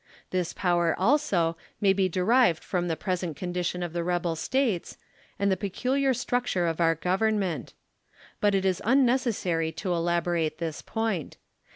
This power also, may be derived from the present condition of the rebel States, and the peculiar structure of our Government. Eut it is unnecessary to elaborate this point.